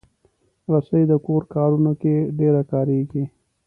رسۍ د کور کارونو کې ډېره کارېږي.